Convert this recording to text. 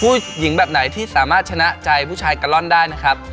ผู้หญิงแบบไหนที่สามารถชนะใจผู้ชายกะล่อนได้นะครับ